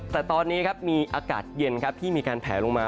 แต่ตอนนี้มีอากาศเย็นที่มีการแผลลงมา